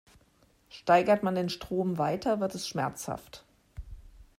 Steigert man den Strom weiter, wird es schmerzhaft.